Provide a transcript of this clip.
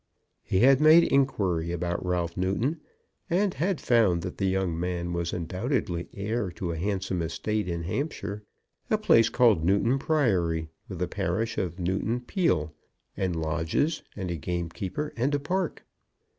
He had made inquiry about Ralph Newton, and had found that the young man was undoubtedly heir to a handsome estate in Hampshire, a place called Newton Priory, with a parish of Newton Peele, and lodges, and a gamekeeper, and a park.